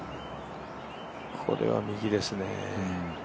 これは右ですね。